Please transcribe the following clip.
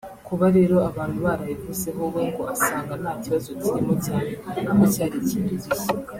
Kuba rero abantu barayivuzeho we ngo asanga nta kibazo kirimo cyane ko cyari ikintu gishya